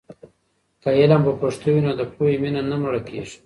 که علم په پښتو وي، نو د پوهې مینه نه مړه کېږي.